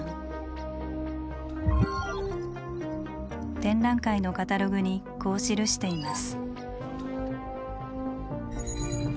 展覧会のカタログにこう記しています。